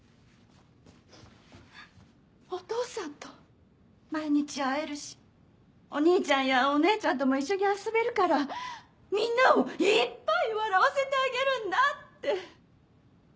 お父さんと毎日会えるしお兄ちゃんやお姉ちゃんとも一緒に遊べるからみんなをいっぱい笑わせてあげるんだって。